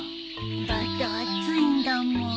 だって暑いんだもん。